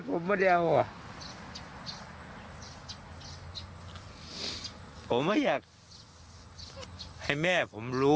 ผมไม่อยากให้แม่ผมรู้